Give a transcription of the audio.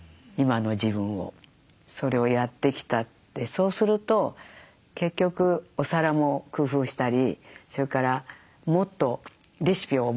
そうすると結局お皿も工夫したりそれからもっとレシピを覚えないといけないとか。